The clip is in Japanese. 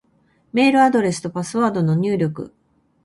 メールアドレスとパスワードの入力